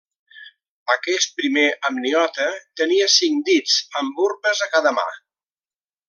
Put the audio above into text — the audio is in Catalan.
Aquest primer amniota tenia cinc dits amb urpes a cada mà.